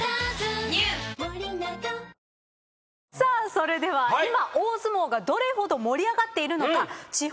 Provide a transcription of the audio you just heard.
それでは今大相撲がどれほど盛り上がっているのか。